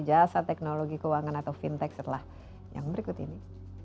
jasa teknologi keuangan atau fintech setelah yang berikut ini